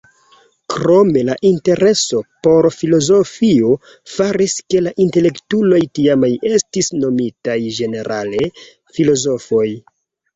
Krome la intereso por filozofio faris ke la intelektuloj tiamaj estis nomitaj ĝenerale "filozofoj".